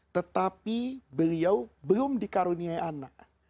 tetapi beliau belum dikaruniai anak